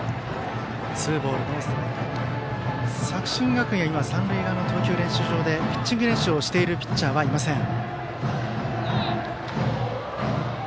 作新学院は今、三塁側の投球練習場でピッチング練習をしているピッチャーはいません。